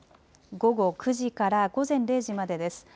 午後９時から午前０時までです。